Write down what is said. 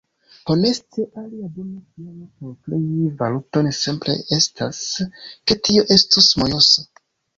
Honeste, alia bona kialo por krei valuton simple estas ke tio estus mojosa.